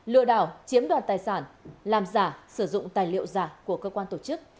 lừa đảo chiếm đoạt tài sản làm giả sử dụng tài liệu giả của cơ quan tổ chức